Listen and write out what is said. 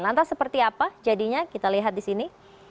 lantas seperti apa jadinya kita lihat di sini